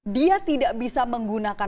dia tidak bisa menggunakan